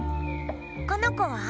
このこは？